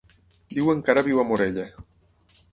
Diuen que ara viu a Morella.